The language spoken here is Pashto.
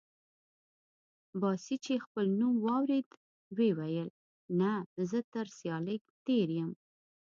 باسي چې خپل نوم واورېد وې ویل: نه، زه تر سیالۍ تېر یم.